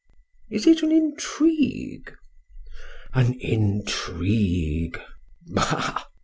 "Is it an intrigue?" "An intrigue." "Bah!"